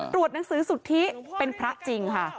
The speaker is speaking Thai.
หนังสือสุทธิเป็นพระจริงค่ะ